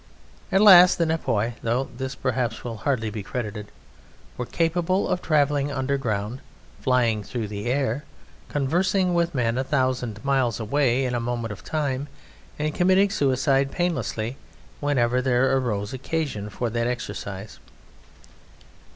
At last the Nepioi (though this, perhaps, will hardly be credited) were capable of travelling underground, flying through the air, conversing with men a thousand miles away in a moment of time, and committing suicide painlessly whenever there arose occasion for that exercise.